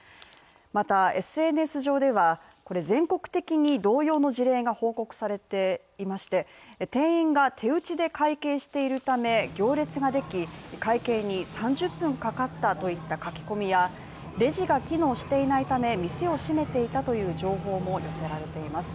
またＳＮＳ上では、これ全国的に同様の事例が報告されていまして店員が手打ちで会計しているため、行列ができ会計に３０分かかったといった書き込みやレジが機能していないため店を閉めていたという情報も寄せられています